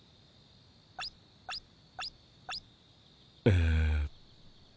えっと。